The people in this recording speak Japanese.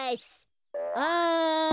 あ。